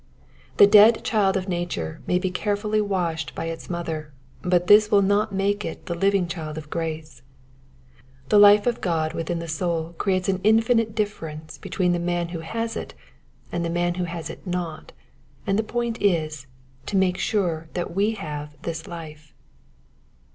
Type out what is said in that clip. The dead child of nature may be carefully washed by its mother, but this will not make it the living child of grace. The life of God within the soul creates an infinite difference between the man who has it and the man who has it not ; and the point is, to make sure that we have this life.